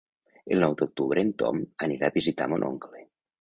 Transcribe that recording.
El nou d'octubre en Tom anirà a visitar mon oncle.